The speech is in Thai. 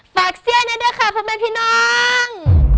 ฝากเสียในด้วยค่ะผมเป็นพี่น้อง